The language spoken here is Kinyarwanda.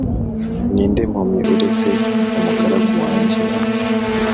Ni nde mpumyi, uretse umugaragu wanjye ?